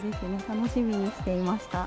楽しみにしていました。